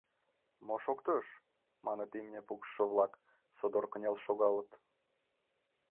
— Мо шоктыш? — маныт имне пукшышо-влак, содор кынел шогалыт...